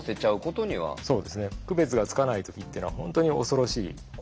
区別がつかない時っていうのは本当に恐ろしい怖い。